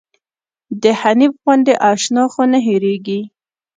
د حنيف غوندې اشنا خو نه هيريږي